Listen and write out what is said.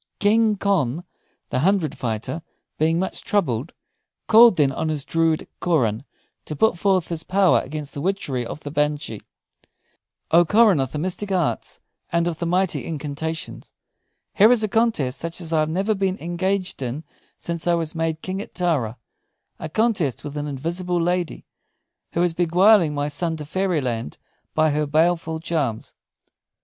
King Conn the Hundred fighter being much troubled, called then on his druid Coran, to put forth his power against the witchery of the banshee: "O Coran of the mystic arts and of the mighty incantations, here is a contest such as I have never been engaged in since I was made King at Tara a contest with an invisible lady, who is beguiling my son to Fairyland by her baleful charms.